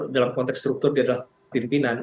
dalam konteks struktur dia adalah pimpinan